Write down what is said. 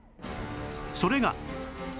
それが